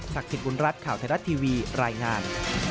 ศักดิ์สิทธิ์วุณรัฐข่าวไทยรัฐทีวีรายงาน